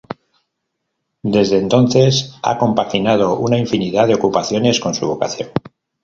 Desde entonces ha compaginado una infinidad de ocupaciones con su vocación.